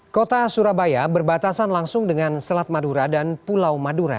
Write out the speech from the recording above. kota surabaya berbatasan langsung dengan selat madura dan pulau madura